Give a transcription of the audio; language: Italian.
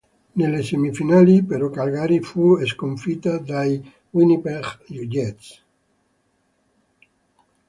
Nelle semifinali però Calgary fu sconfitta dai Winnipeg Jets.